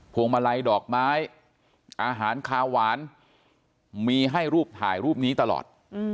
วงมาลัยดอกไม้อาหารคาหวานมีให้รูปถ่ายรูปนี้ตลอด